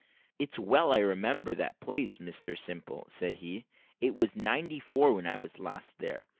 "It's well I remember that place, Mr Simple," said he. "It was in '94 when I was last here.